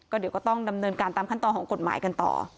เดี๋ยวก็ต้องดำเนินการตามขั้นตอนของกฎหมายกันต่อ